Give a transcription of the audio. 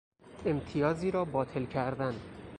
امتیازی را باطل کردن